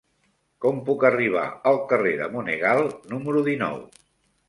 Com puc arribar al carrer de Monegal número dinou?